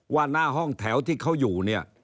ว่าหน้าห้องแถวที่เขาอยู่